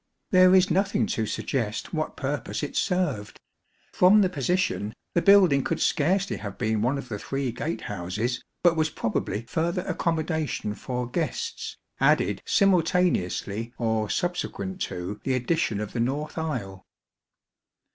There is nothing to suggest what purpose it served ; from the position the building could scarcely have been one of the three gate houses, but ws probably further accommodation for guests, added sim ultaneously or subsequent to the addition of the north aisle.